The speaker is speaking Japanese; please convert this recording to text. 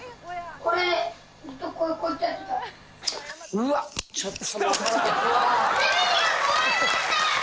うわっちょっと。